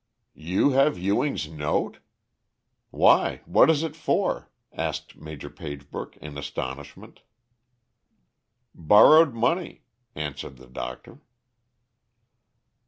"You have Ewing's note? Why, what is it for?" asked Major Pagebrook in astonishment. "Borrowed money," answered the doctor.